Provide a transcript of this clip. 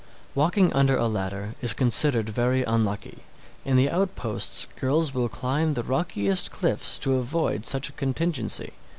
666. Walking under a ladder is considered very unlucky. In the outposts girls will climb the rockiest cliffs to avoid such a contingency.